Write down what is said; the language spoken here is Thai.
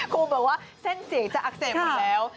ครูบอกว่าเส้นเสียงจะอักเสบหมดแล้ว